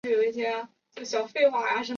中国江苏江阴人。